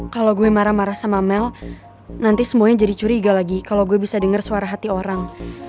kalau gue marah marah sama mel nanti semuanya jadi curiga lagi kalau gue bisa dengar suara hati orang